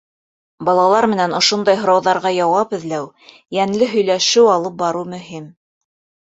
Балалар менән ошондай һорауҙарға яуап эҙләү, йәнле һөйләшеү алып барыу мөһим.